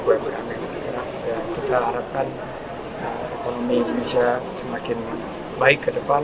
daya beranda dari kerajaan yang kita harapkan ekonomi indonesia semakin baik ke depan